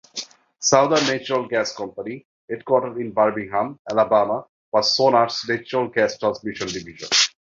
Southern Natural Gas Company, headquartered in Birmingham, Alabama, was Sonat's natural gas transmission division.